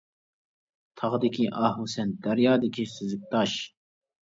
تاغدىكى ئاھۇ سەن، دەريادىكى سۈزۈك تاش.